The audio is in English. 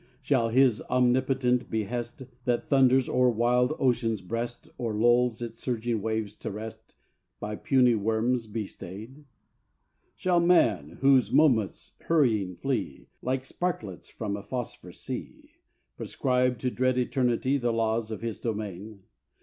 Shall His omnipotent behest, That thunders o'er wild ocean's breast, Or lulls its surging waves to rest, By puny worms be stayed? Shall man, whose moments hurrying flee, Like sparklets from a phosphor sea, Prescribe to dread Eternity The laws of His domain?